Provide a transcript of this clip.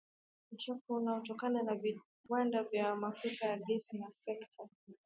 Uchafuzi unaotokana na viwanda vya mafuta na gesi na sekta